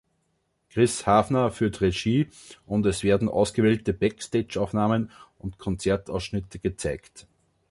Chris Hafner führte Regie, und es werden ausgewählte Backstage-Aufnahmen und Konzertausschnitte gezeigt.